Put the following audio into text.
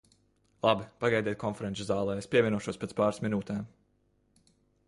Labi, pagaidiet konferenču zālē, es pievienošos pēc pāris minūtēm.